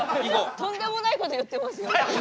とんでもないこと言ってますよ。